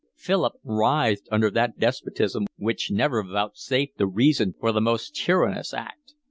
Philip writhed under that despotism which never vouchsafed a reason for the most tyrannous act.